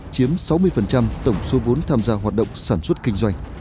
chiếm sáu mươi tổng số vốn tham gia hoạt động sản xuất kinh doanh